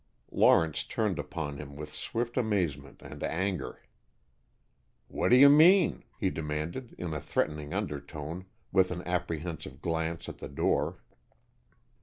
Lawrence turned upon him with swift amazement and anger. "What do you mean?" he demanded in a threatening undertone, with an apprehensive glance at the door.